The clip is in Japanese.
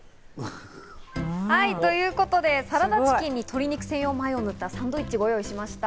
ということでサラダチキンに鶏肉専用マヨを塗ったサンドイッチをご用意しました。